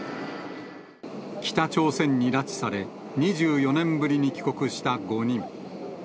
北朝鮮に拉致され、２４年ぶりに帰国した５人。